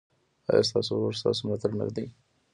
ایا ستاسو ورور ستاسو ملاتړ نه دی؟